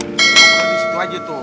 beri disitu aja tuh